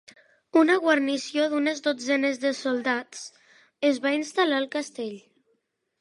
Una guarnició d'unes dotzenes de soldats es va instal·lar al castell.